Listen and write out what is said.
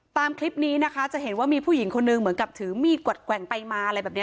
ตามคลิปนี้นะคะจะเห็นว่ามีผู้หญิงคนนึงเหมือนกับถือมีดกวัดแกว่งไปมาอะไรแบบนี้